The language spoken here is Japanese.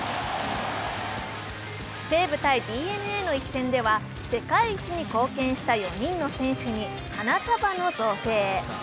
西武×ＤｅＮＡの一戦では世界一に貢献した４人の選手に花束の贈呈。